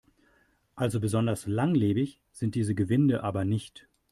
Also besonders langlebig sind diese Gewinde aber nicht.